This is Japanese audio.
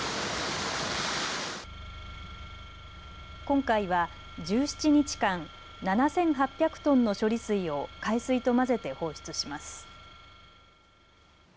今回は１７日間７８００トンの処理水を海水と混ぜて放出します。